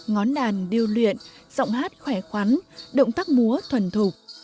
ngón đàn điêu luyện giọng hát khỏe khoắn động tác múa thuần thục